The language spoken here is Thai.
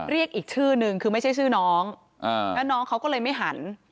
เรียกอีกชื่อนึงคือไม่ใช่ชื่อน้องแล้วน้องเขาก็เลยไม่หัน